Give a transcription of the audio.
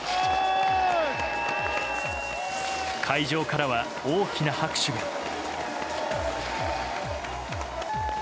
会場からは大きな拍手が。